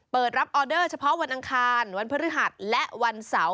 เปิดรับออเดอร์เฉพาะวันอังคารวันพฤหัสและวันเสาร์